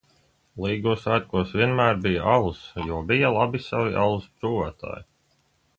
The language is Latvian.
Līgo svētkos vienmēr bija alus, jo bija labi savi alus brūvētāji.